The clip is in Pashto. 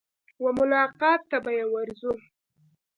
وه ملاقات ته به يې ورځو.